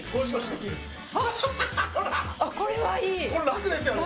これラクですよね？